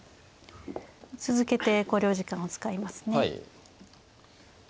続けて考慮時間を使いますね。